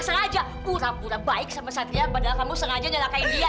saya rakyat ke polisi penjarakan dia